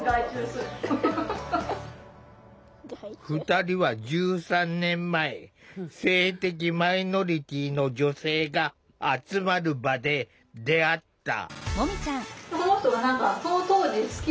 ２人は１３年前性的マイノリティーの女性が集まる場で出会った。